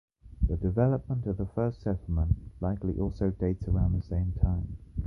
The development of the first settlement likely also dates to around this time.